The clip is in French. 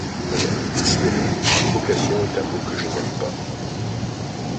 Non, décidément, vocation est un mot que je n'aime pas.